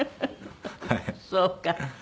そうか。